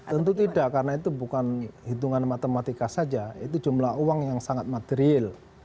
tentu tidak karena itu bukan hitungan matematika saja itu jumlah uang yang sangat material